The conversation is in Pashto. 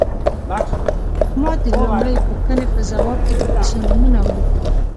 ما د لومړۍ پوښتنې په ځواب کې د کیسو نومونه ولیکل.